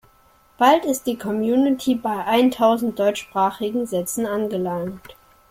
Bald ist die Community bei eintausend deutschsprachigen Sätzen angelangt.